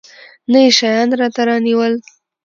نه يې شيان راته رانيول.